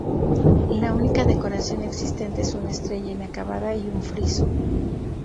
La única decoración existente es una estrella inacabada y un friso.